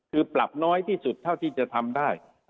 คือปรับน้อยที่สุดเท่าที่จะทำได้